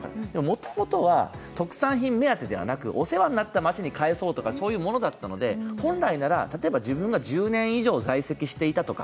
もともとは特産品目当てではなく、お世話になった町に返そうとかそういうものだったので、本来なら、自分が１０年以上、在籍していたとか